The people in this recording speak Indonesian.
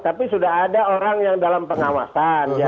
tapi sudah ada orang yang dalam pengawasan